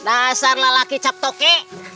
asal lelaki cap toke